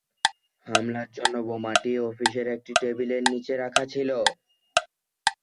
হামলার জন্য বোমাটি অফিসের একটি টেবিলের নিচে রাখা ছিল।